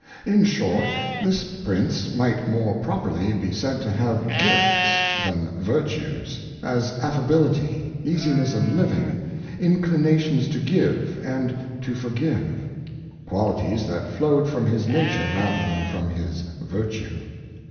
In short, this Prince might more properly be said to have : Gifts than Virtues, as Affability, Easiness of Living, Inclinations to give, and to forgive : Qualities that flowed from his Nature rather than from his Virtue.